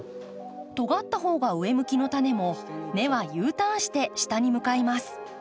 とがった方が上向きのタネも根はＵターンして下に向かいます。